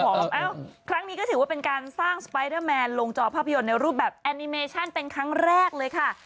ครั้งนี้ก็ถือว่าเป็นการสร้างสไปเดอร์แมนลงจอภาพยนตร์ในรูปแบบแอนิเมชั่นเป็นครั้งแรกเลยค่ะ